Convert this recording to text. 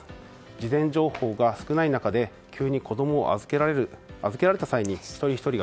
事前情報が少ない中急に子供を預けられた際に一人ひとり